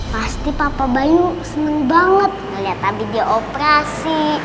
pasti papa bayu seneng banget ngelihat abi dioperasi